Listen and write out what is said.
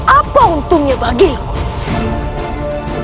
apa untungnya bagiku